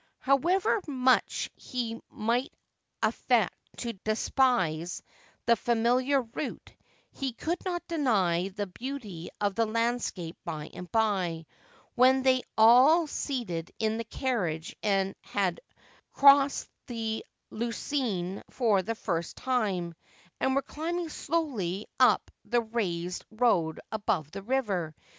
However much he might affect to despise the familiar route, he could not deny the beauty of the landscape by and by, when they were all seated in the carriage and had crossed the Lut schine for the first time, and were climbing slowly up the raised road above the river.